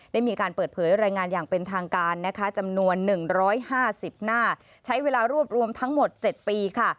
ได้มีการเปิดเผยรายงานอย่างเป็นทางการนะคะจำนวน๑๕๐หน้าใช้เวลารวบรวมทั้งหมด๗ปีค่ะ